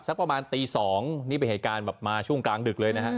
สักประมาณตี๒นี่มีมีห่ายกาลเป็นมาช่วงกลางดึกเลยนะครับ